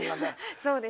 そうです